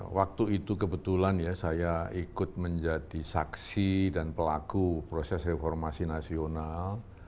waktu itu kebetulan ya saya ikut menjadi saksi dan pelaku proses reformasi nasional